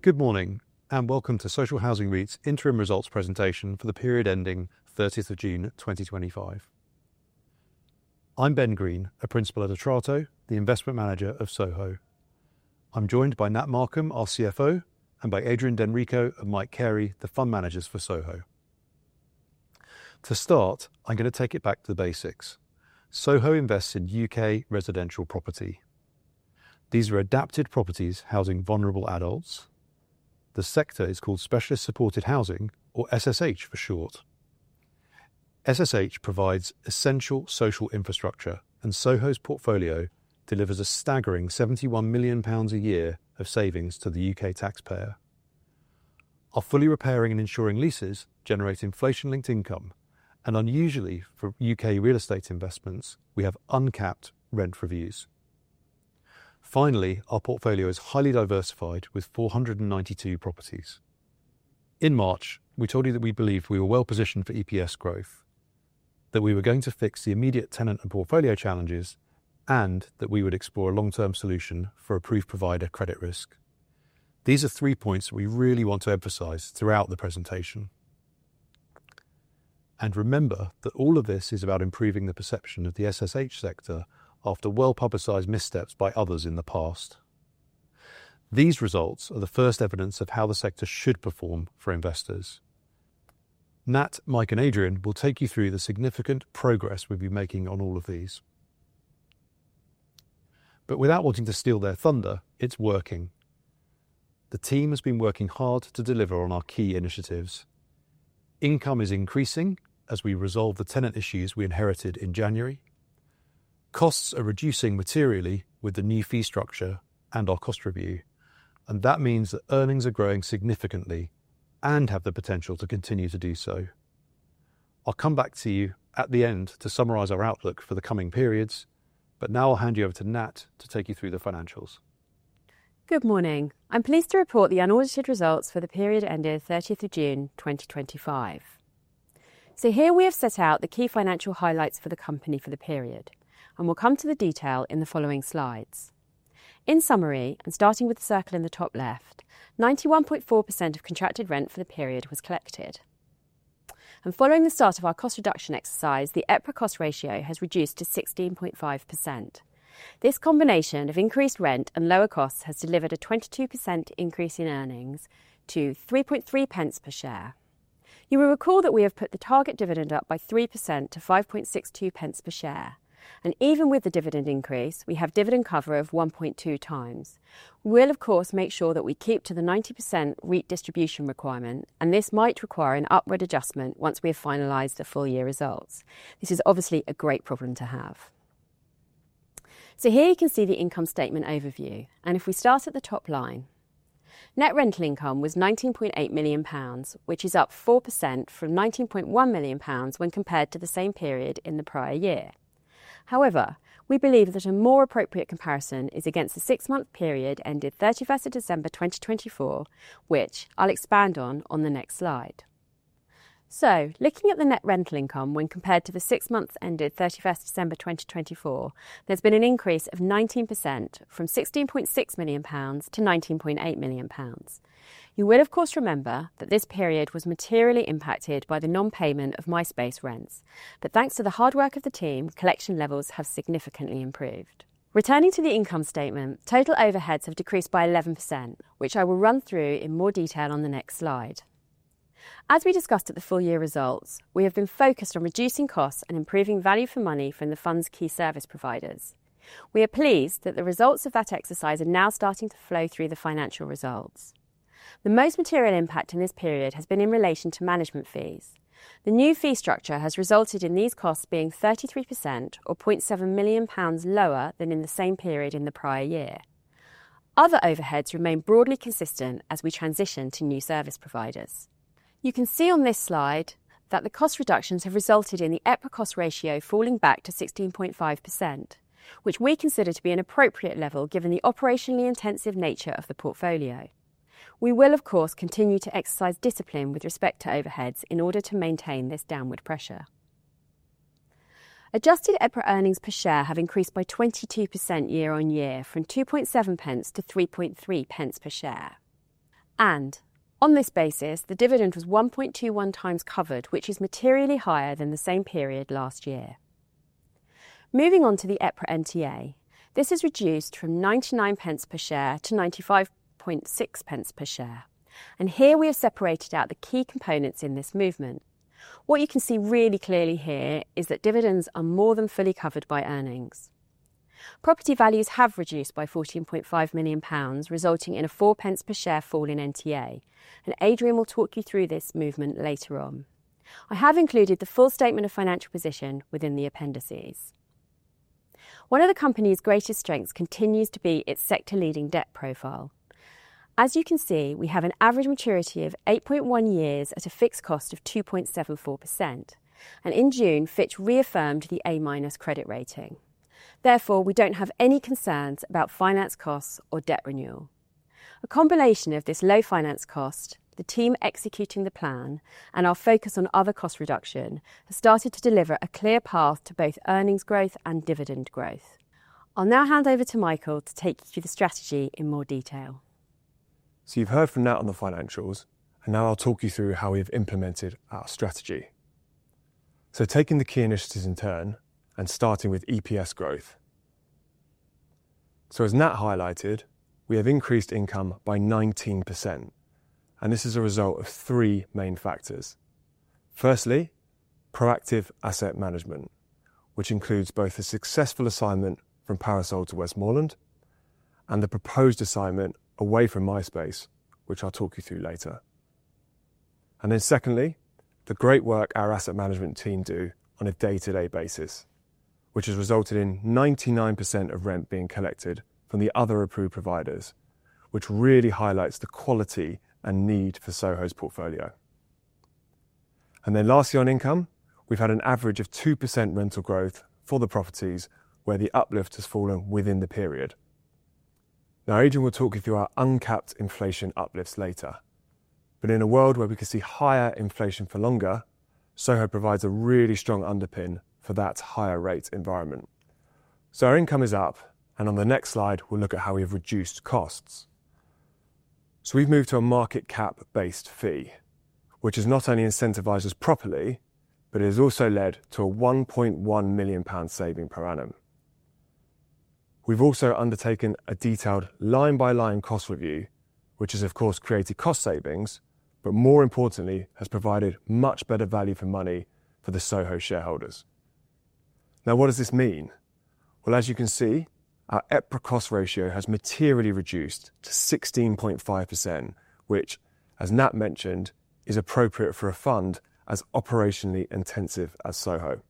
Good morning, and welcome to Social Housing REIT's interim results presentation for the period ending 30 June 2025. I'm Ben Green, a Principal at Atrato, the investment manager of Soho. I'm joined by Nat Markham, our CFO, and by Adrian D'Enrico and Mike Carey, the fund managers for Soho. To start, I'm going to take it back to the basics. Soho invests in U.K. residential property. These are adapted properties housing vulnerable adults. The sector is called Specialist Supported Housing, or SSH for short. SSH provides essential social infrastructure, and Soho's portfolio delivers a staggering 71 million pounds a year of savings to the U.K. taxpayer. Our fully repairing and insuring leases generate inflation-linked income, and unusually for U.K. real estate investments, we have uncapped rent reviews. Finally, our portfolio is highly diversified with 492 properties. In March, we told you that we believed we were well positioned for EPS growth, that we were going to fix the immediate tenant and portfolio challenges, and that we would explore a long-term solution for approved provider credit risk. These are three points we really want to emphasize throughout the presentation. And remember that all of this is about improving the perception of the SSH sector after well-publicized missteps by others in the past. These results are the first evidence of how the sector should perform for investors. Nat, Mike, and Adrian will take you through the significant progress we've been making on all of these. But without wanting to steal their thunder, it's working. The team has been working hard to deliver on our key initiatives. Income is increasing as we resolve the tenant issues we inherited in January. Costs are reducing materially with the new fee structure and our cost review, and that means that earnings are growing significantly and have the potential to continue to do so. I'll come back to you at the end to summarize our outlook for the coming periods, but now I'll hand you over to Nat to take you through the financials. Good morning. I'm pleased to report the unaudited results for the period ending 30 June 2025. So here we have set out the key financial highlights for the company for the period, and we'll come to the detail in the following slides. In summary, and starting with the circle in the top left, 91.4% of contracted rent for the period was collected. And following the start of our cost reduction exercise, the EPRA cost ratio has reduced to 16.5%. This combination of increased rent and lower costs has delivered a 22% increase in earnings to 3.3 pence per share. You will recall that we have put the target dividend up by 3% to 5.62 pence per share, and even with the dividend increase, we have dividend cover of 1.2x. We'll, of course, make sure that we keep to the 90% REIT distribution requirement, and this might require an upward adjustment once we have finalized the full year results. This is obviously a great problem to have. Here you can see the income statement overview, and if we start at the top line, net rental income was 19.8 million pounds, which is up 4% from 19.1 million pounds when compared to the same period in the prior year. However, we believe that a more appropriate comparison is against the six-month period ended 31 December 2024, which I'll expand on the next slide. Looking at the net rental income when compared to the six months ended 31 December 2024, there's been an increase of 19% from 16.6 million pounds to 19.8 million pounds. You will, of course, remember that this period was materially impacted by the non-payment of My Space rents, but thanks to the hard work of the team, collection levels have significantly improved. Returning to the income statement, total overheads have decreased by 11%, which I will run through in more detail on the next slide. As we discussed at the full year results, we have been focused on reducing costs and improving value for money from the fund's key service providers. We are pleased that the results of that exercise are now starting to flow through the financial results. The most material impact in this period has been in relation to management fees. The new fee structure has resulted in these costs being 33% or 0.7 million pounds lower than in the same period in the prior year. Other overheads remain broadly consistent as we transition to new service providers. You can see on this slide that the cost reductions have resulted in the EPRA cost ratio falling back to 16.5%, which we consider to be an appropriate level given the operationally intensive nature of the portfolio. We will, of course, continue to exercise discipline with respect to overheads in order to maintain this downward pressure. Adjusted EPRA earnings per share have increased by 22% year-on-year, from 2.7 pence to 3.3 pence per share, and on this basis, the dividend was 1.21 times covered, which is materially higher than the same period last year. Moving on to the EPRA NTA, this has reduced from 99 pence per share to 95.6 pence per share, and here we have separated out the key components in this movement. What you can see really clearly here is that dividends are more than fully covered by earnings. Property values have reduced by 14.5 million pounds, resulting in a 0.04 per share fall in NTA, and Adrian will talk you through this movement later on. I have included the full statement of financial position within the appendices. One of the company's greatest strengths continues to be its sector-leading debt profile. As you can see, we have an average maturity of 8.1 years at a fixed cost of 2.74%, and in June, Fitch reaffirmed the A- credit rating. Therefore, we don't have any concerns about finance costs or debt renewal. A combination of this low finance cost, the team executing the plan, and our focus on other cost reduction has started to deliver a clear path to both earnings growth and dividend growth. I'll now hand over to Michael to take you through the strategy in more detail. So you've heard from Nat on the financials, and now I'll talk you through how we have implemented our strategy. So taking the key initiatives in turn and starting with EPS growth. So as Nat highlighted, we have increased income by 19%, and this is a result of three main factors. Firstly, proactive asset management, which includes both the successful assignment from Parasol to Westmoreland and the proposed assignment away from My Space, which I'll talk you through later. And then secondly, the great work our asset management team does on a day-to-day basis, which has resulted in 99% of rent being collected from the other approved providers, which really highlights the quality and need for Soho's portfolio. And then lastly, on income, we've had an average of 2% rental growth for the properties, where the uplift has fallen within the period. Now, Adrian will talk you through our uncapped inflation uplifts later, but in a world where we can see higher inflation for longer, Soho provides a really strong underpin for that higher rate environment, so our income is up, and on the next slide, we'll look at how we have reduced costs, so we've moved to a market cap-based fee, which has not only incentivized us properly, but it has also led to a 1.1 million pound saving per annum. We've also undertaken a detailed line-by-line cost review, which has, of course, created cost savings, but more importantly, has provided much better value for money for the Soho shareholders. Now, what does this mean? Well, as you can see, our EPRA cost ratio has materially reduced to 16.5%, which, as Nat mentioned, is appropriate for a fund as operationally intensive as Soho.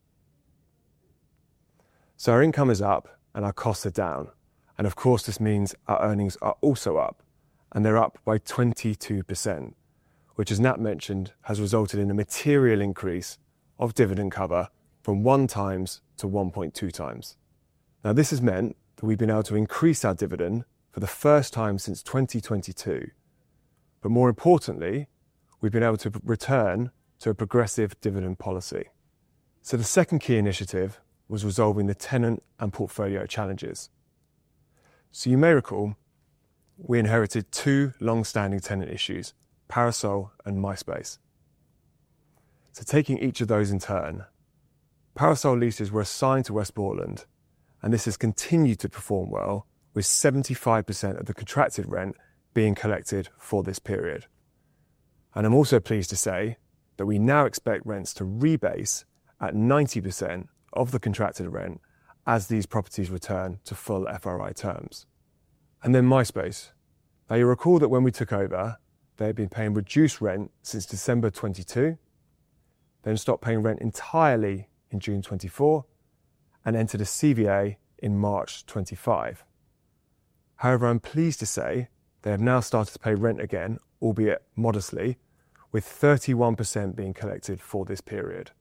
So our income is up and our costs are down, and of course, this means our earnings are also up, and they're up by 22%, which, as Nat mentioned, has resulted in a material increase of dividend cover from one times to 1.2 times. Now, this has meant that we've been able to increase our dividend for the first time since 2022, but more importantly, we've been able to return to a progressive dividend policy. So the second key initiative was resolving the tenant and portfolio challenges. So you may recall we inherited two long-standing tenant issues, Parasol and My Space. So taking each of those in turn, Parasol leases were assigned to Westmoreland, and this has continued to perform well, with 75% of the contracted rent being collected for this period. And I'm also pleased to say that we now expect rents to rebase at 90% of the contracted rent as these properties return to full FRI terms. And then My Space, now you'll recall that when we took over, they had been paying reduced rent since December 2022, then stopped paying rent entirely in June 2024, and entered a CVA in March 2025. However, I'm pleased to say they have now started to pay rent again, albeit modestly, with 31% being collected for this period.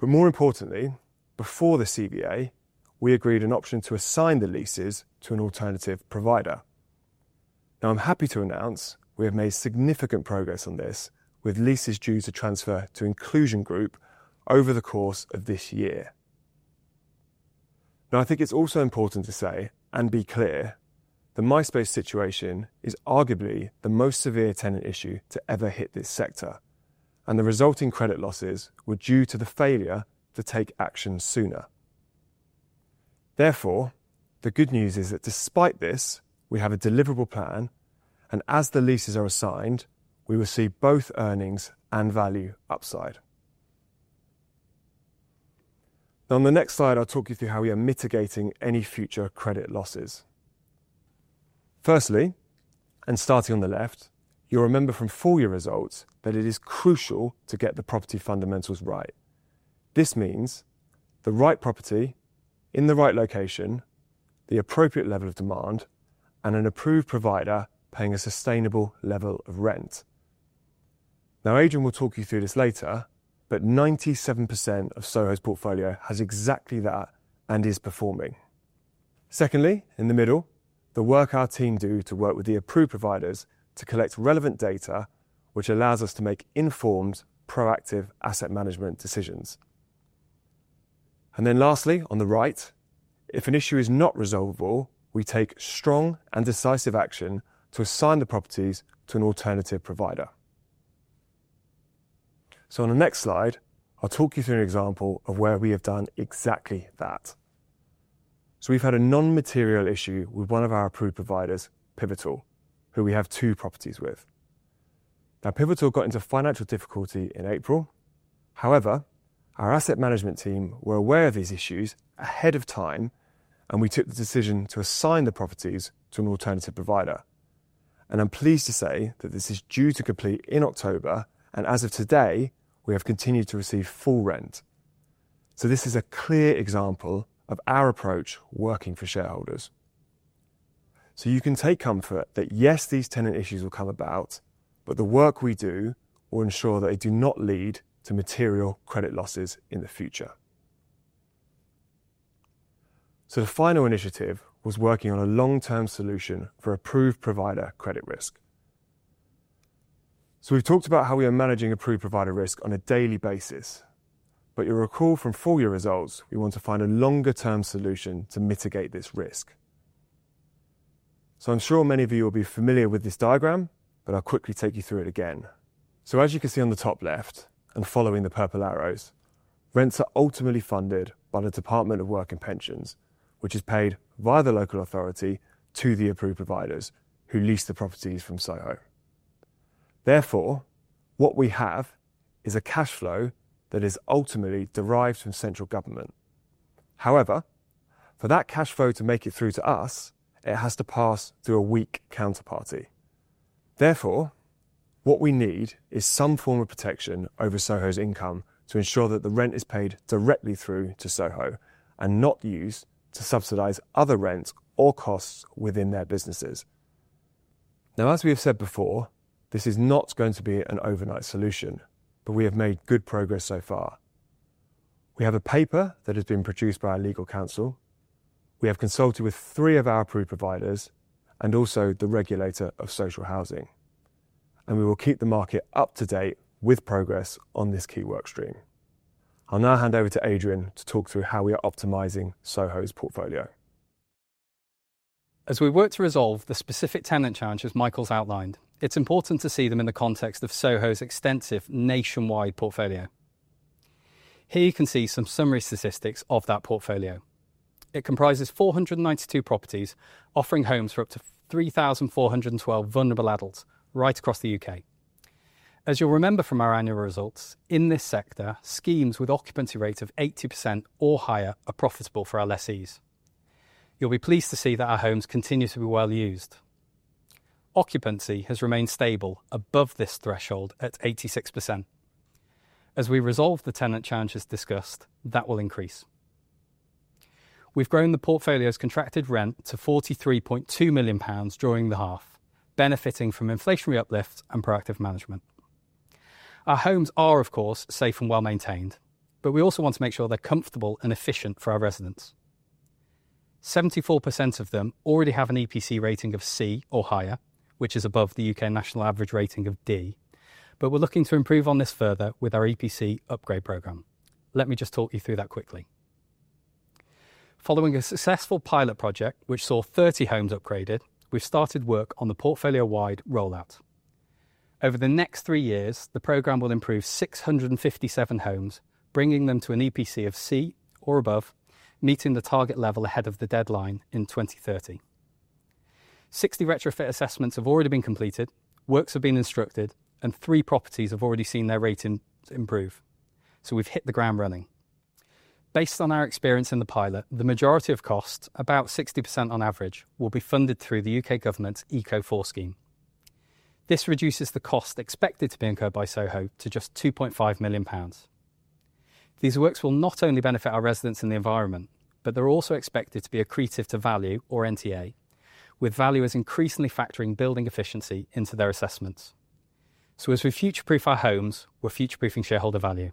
But more importantly, before the CVA, we agreed on an option to assign the leases to an alternative provider. Now, I'm happy to announce we have made significant progress on this, with leases due to transfer to Inclusion Group over the course of this year. Now, I think it's also important to say and be clear that the My Space situation is arguably the most severe tenant issue to ever hit this sector, and the resulting credit losses were due to the failure to take action sooner. Therefore, the good news is that despite this, we have a deliverable plan, and as the leases are assigned, we will see both earnings and value upside. Now, on the next slide, I'll talk you through how we are mitigating any future credit losses. Firstly, and starting on the left, you'll remember from full year results that it is crucial to get the property fundamentals right. This means the right property in the right location, the appropriate level of demand, and an approved provider paying a sustainable level of rent. Now, Adrian will talk you through this later, but 97% of Soho's portfolio has exactly that and is performing. Secondly, in the middle, the work our team does to work with the approved providers to collect relevant data, which allows us to make informed, proactive asset management decisions, and then lastly, on the right, if an issue is not resolvable, we take strong and decisive action to assign the properties to an alternative provider, so on the next slide, I'll talk you through an example of where we have done exactly that, so we've had a non-material issue with one of our approved providers, Pivotal, who we have two properties with. Now, Pivotal got into financial difficulty in April. However, our asset management team were aware of these issues ahead of time, and we took the decision to assign the properties to an alternative provider, and I'm pleased to say that this is due to complete in October, and as of today, we have continued to receive full rent. This is a clear example of our approach working for shareholders. You can take comfort that, yes, these tenant issues will come about, but the work we do will ensure that they do not lead to material credit losses in the future. The final initiative was working on a long-term solution for approved provider credit risk. We've talked about how we are managing approved provider risk on a daily basis, but you'll recall from full year results, we want to find a longer-term solution to mitigate this risk. I'm sure many of you will be familiar with this diagram, but I'll quickly take you through it again. As you can see on the top left and following the purple arrows, rents are ultimately funded by the Department for Work and Pensions, which is paid via the local authority to the approved providers who lease the properties from Soho. Therefore, what we have is a cash flow that is ultimately derived from central government. However, for that cash flow to make it through to us, it has to pass through a weak counterparty. Therefore, what we need is some form of protection over Soho's income to ensure that the rent is paid directly through to Soho and not used to subsidize other rents or costs within their businesses. Now, as we have said before, this is not going to be an overnight solution, but we have made good progress so far. We have a paper that has been produced by our legal counsel. We have consulted with three of our approved providers and also the Regulator of Social Housing, and we will keep the market up to date with progress on this key workstream. I'll now hand over to Adrian to talk through how we are optimizing Soho's portfolio. As we work to resolve the specific tenant challenges Michael's outlined, it's important to see them in the context of Soho's extensive nationwide portfolio. Here you can see some summary statistics of that portfolio. It comprises 492 properties offering homes for up to 3,412 vulnerable adults right across the U.K. As you'll remember from our annual results, in this sector, schemes with occupancy rates of 80% or higher are profitable for our lessees. You'll be pleased to see that our homes continue to be well used. Occupancy has remained stable above this threshold at 86%. As we resolve the tenant challenges discussed, that will increase. We've grown the portfolio's contracted rent to 43.2 million pounds during the half, benefiting from inflationary uplifts and proactive management. Our homes are, of course, safe and well maintained, but we also want to make sure they're comfortable and efficient for our residents. 74% of them already have an EPC rating of C or higher, which is above the U.K. national average rating of D, but we're looking to improve on this further with our EPC upgrade program. Let me just talk you through that quickly. Following a successful pilot project, which saw 30 homes upgraded, we've started work on the portfolio-wide rollout. Over the next three years, the program will improve 657 homes, bringing them to an EPC of C or above, meeting the target level ahead of the deadline in 2030. 60 retrofit assessments have already been completed, works have been instructed, and three properties have already seen their rating improve. So we've hit the ground running. Based on our experience in the pilot, the majority of costs, about 60% on average, will be funded through the U.K. government's ECO4 scheme. This reduces the cost expected to be incurred by Soho to just 2.5 million pounds. These works will not only benefit our residents and the environment, but they're also expected to be accretive to value or NTA, with valuers increasingly factoring building efficiency into their assessments. So as we future-proof our homes, we're future-proofing shareholder value.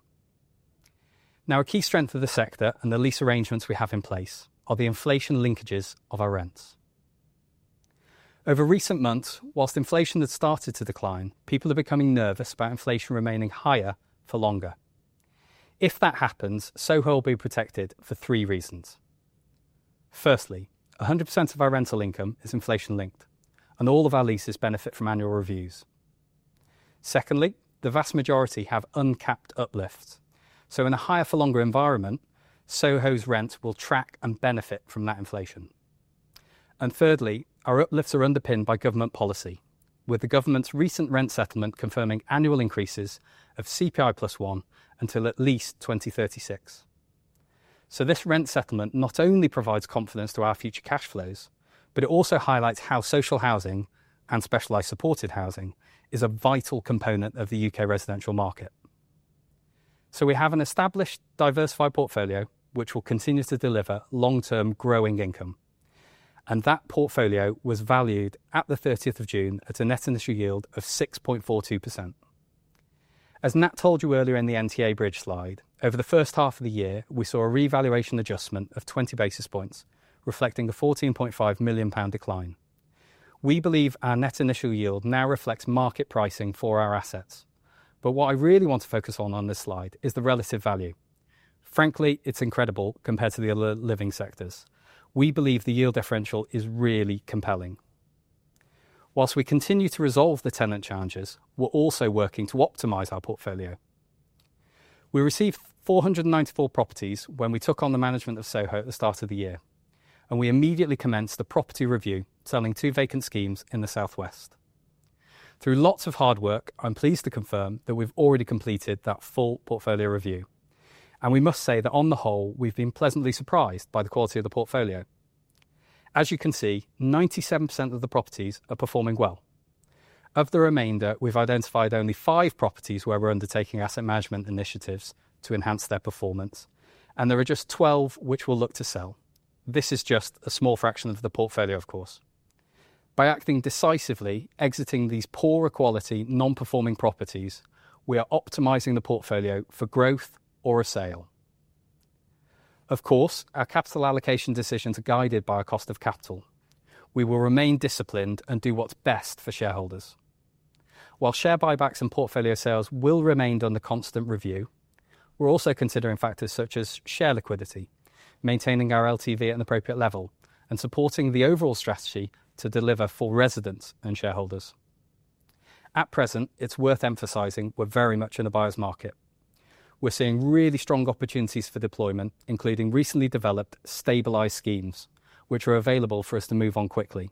Now, a key strength of the sector and the lease arrangements we have in place are the inflation linkages of our rents. Over recent months, whilst inflation had started to decline, people are becoming nervous about inflation remaining higher for longer. If that happens, Soho will be protected for three reasons. Firstly, 100% of our rental income is inflation-linked, and all of our leases benefit from annual reviews. Secondly, the vast majority have uncapped uplifts. So in a higher-for-longer environment, Soho's rent will track and benefit from that inflation. And thirdly, our uplifts are underpinned by government policy, with the government's recent rent settlement confirming annual increases of CPI plus one until at least 2036. So this rent settlement not only provides confidence to our future cash flows, but it also highlights how social housing and specialized supported housing is a vital component of the U.K. residential market. So we have an established diversified portfolio, which will continue to deliver long-term growing income. And that portfolio was valued at the 30th of June at a net initial yield of 6.42%. As Nat told you earlier in the NTA Bridge slide, over the first half of the year, we saw a revaluation adjustment of 20 basis points, reflecting a 14.5 million pound decline. We believe our net initial yield now reflects market pricing for our assets. But what I really want to focus on this slide is the relative value. Frankly, it's incredible compared to the other living sectors. We believe the yield differential is really compelling. While we continue to resolve the tenant challenges, we're also working to optimize our portfolio. We received 494 properties when we took on the management of Soho at the start of the year, and we immediately commenced the property review, selling two vacant schemes in the South West. Through lots of hard work, I'm pleased to confirm that we've already completed that full portfolio review. We must say that on the whole, we've been pleasantly surprised by the quality of the portfolio. As you can see, 97% of the properties are performing well. Of the remainder, we've identified only five properties where we're undertaking asset management initiatives to enhance their performance, and there are just 12 which we'll look to sell. This is just a small fraction of the portfolio, of course. By acting decisively, exiting these poorer quality, non-performing properties, we are optimizing the portfolio for growth or a sale. Of course, our capital allocation decisions are guided by our cost of capital. We will remain disciplined and do what's best for shareholders. While share buybacks and portfolio sales will remain under constant review, we're also considering factors such as share liquidity, maintaining our LTV at an appropriate level, and supporting the overall strategy to deliver for residents and shareholders. At present, it's worth emphasizing we're very much in a buyer's market. We're seeing really strong opportunities for deployment, including recently developed stabilized schemes, which are available for us to move on quickly.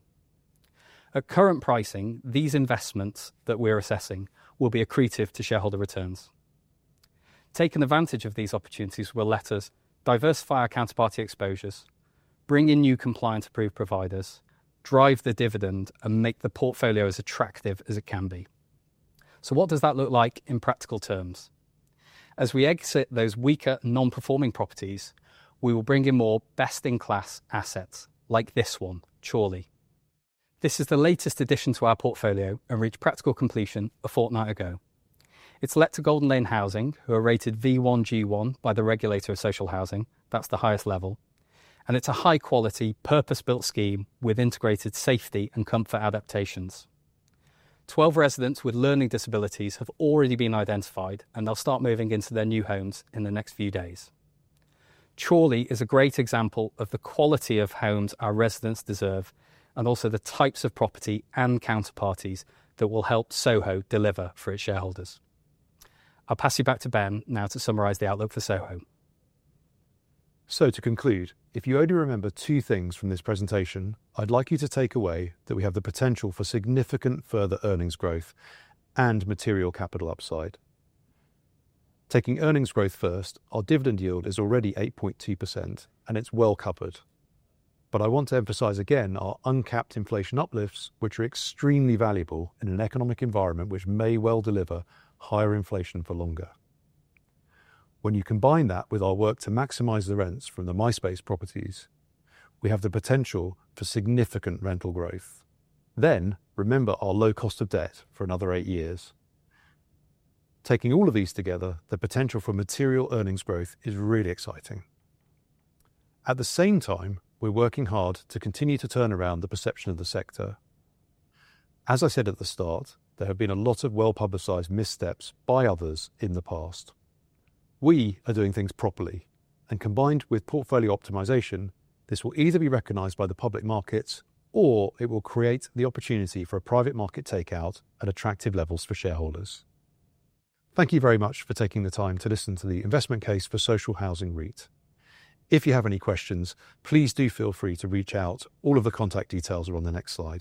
At current pricing, these investments that we are assessing will be accretive to shareholder returns. Taking advantage of these opportunities will let us diversify our counterparty exposures, bring in new compliance-approved providers, drive the dividend, and make the portfolio as attractive as it can be. So what does that look like in practical terms? As we exit those weaker, non-performing properties, we will bring in more best-in-class assets like this one, Chorley. This is the latest addition to our portfolio and reached practical completion a fortnight ago. It's let to Golden Lane Housing, who are rated V1G1 by the Regulator of Social Housing. That's the highest level. It's a high-quality, purpose-built scheme with integrated safety and comfort adaptations. 12 residents with learning disabilities have already been identified, and they'll start moving into their new homes in the next few days. Chorley is a great example of the quality of homes our residents deserve and also the types of property and counterparties that will help Soho deliver for its shareholders. I'll pass you back to Ben now to summarize the outlook for Soho. To conclude, if you only remember two things from this presentation, I'd like you to take away that we have the potential for significant further earnings growth and material capital upside. Taking earnings growth first, our dividend yield is already 8.2%, and it's well covered. But I want to emphasize again our uncapped inflation uplifts, which are extremely valuable in an economic environment which may well deliver higher inflation for longer. When you combine that with our work to maximize the rents from the My Space properties, we have the potential for significant rental growth. Then remember our low cost of debt for another eight years. Taking all of these together, the potential for material earnings growth is really exciting. At the same time, we're working hard to continue to turn around the perception of the sector. As I said at the start, there have been a lot of well-publicized missteps by others in the past. We are doing things properly, and combined with portfolio optimization, this will either be recognized by the public markets or it will create the opportunity for a private market takeout at attractive levels for shareholders. Thank you very much for taking the time to listen to the investment case for Social Housing REIT. If you have any questions, please do feel free to reach out. All of the contact details are on the next slide.